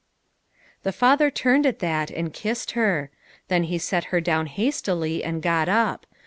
The father turned at that and kissed her. Then he set her down hastily and got up.